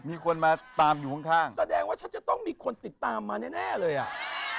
มีคนมาตามอยู่ข้างข้างแสดงว่าฉันจะต้องมีคนติดตามมาแน่แน่เลยอ่ะ